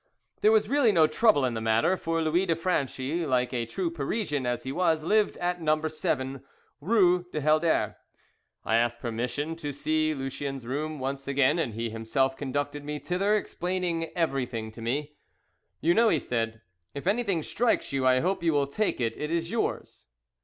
There was really no trouble in the matter, for Louis de Franchi, like a true Parisian as he was, lived at No. 7, Rue du Helder. I asked permission to see Lucien's room once again, and he himself conducted me thither, explaining everything to me. "You know," he said, "if anything strikes you I hope you will take it, it is yours."